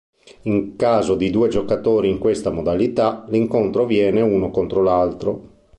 In caso di due giocatori in questa modalità, l'incontro avviene uno contro l'altro.